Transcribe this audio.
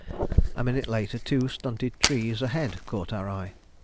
A minute later two stunted trees ahead caught our eye.